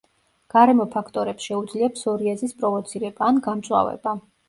გარემო ფაქტორებს შეუძლია ფსორიაზის პროვოცირება ან გამწვავება.